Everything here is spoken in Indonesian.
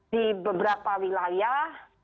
di beberapa wilayah